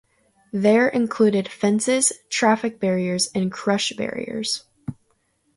There include fences, traffic barriers, and crush barriers.